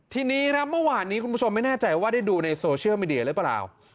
ทีนี้ครับเมื่อวานนี้คุณผู้ชมไม่แน่ใจว่าได้ดูในโซเชียลมีเดียหรือเปล่า